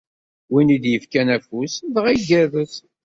Win i d-yefkan afus, dɣa igerrez.